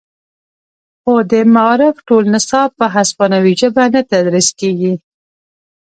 خو د معارف ټول نصاب په هسپانوي ژبه نه تدریس کیږي